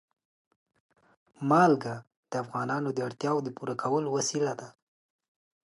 نمک د افغانانو د اړتیاوو د پوره کولو وسیله ده.